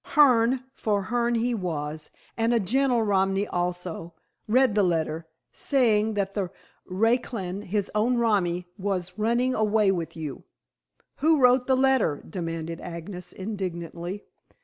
Hearne, for Hearne he was, and a gentle Romany also, read the letter, saying that the raclan, his own romi, was running away with you." "Who wrote the letter?" demanded Agnes indignantly.